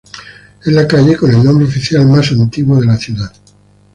Es la calle con el nombre oficial más antiguo de la ciudad.